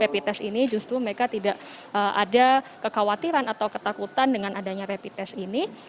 rapid test ini justru mereka tidak ada kekhawatiran atau ketakutan dengan adanya rapid test ini